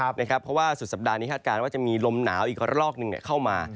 เพราะว่าสุดสัปดาห์นี้คาดการณ์ว่าจะมีลมหนาวอีกระลอกหนึ่งเข้ามา